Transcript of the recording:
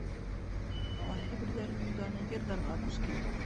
Ҡайһы берҙәренең даны йырҙарға күскән.